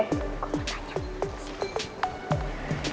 kok lo tanya